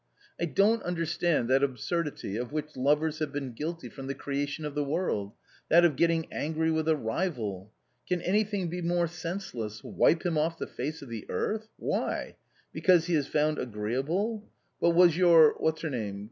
I don't understand that absurdity of which lovers have been guilty from the creation of the world — that of getting angry with a rival. Can anything be more senseless — wipe him off the face of the earth ! why ? because he is found agreeable ! But was your — what's her name